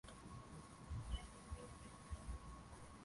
Na Biko akachaguliwa kuwa kama rais wa kwanza wa juimuiya hiyo